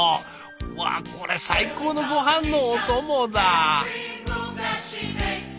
わあこれ最高のごはんのお供だ！